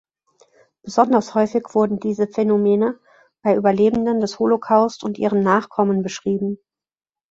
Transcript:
Besonders häufig wurden diese Phänomene bei Überlebenden des Holocaust und ihren Nachkommen beschrieben.